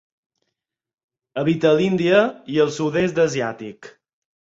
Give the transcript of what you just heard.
Habita a l'Índia i al sud-est asiàtic.